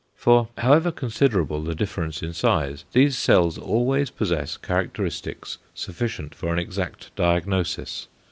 For however considerable the difference in size, these cells always possess characteristics sufficient for an exact diagnosis.